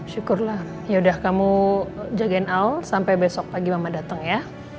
syukurlah yaudah kamu jagain al sampai besok pagi mama datang ya